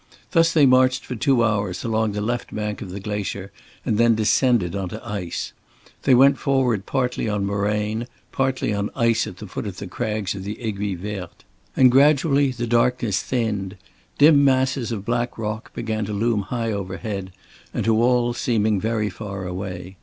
Thus they marched for two hours along the left bank of the glacier and then descended on to ice. They went forward partly on moraine, partly on ice at the foot of the crags of the Aiguille Verte. And gradually the darkness thinned. Dim masses of black rock began to loom high overhead, and to all seeming very far away.